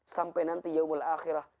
sampai nanti yaumul akhirah